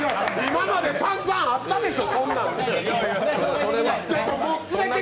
今までさんざんあったでしょ！